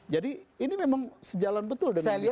jadi ini memang sejalan betul dengan yang saya lihat